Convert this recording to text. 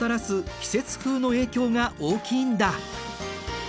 季節風の影響が大きいんだ。